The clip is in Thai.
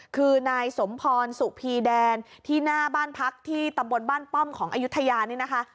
คือนายสมพรสุพีแดนที่หน้าบ้านพักที่ตำบลบ้านป้อมของอายุทยานี่นะคะ